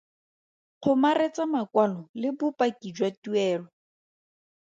Kgomaretsa makwalo le bopaki jwa tuelo.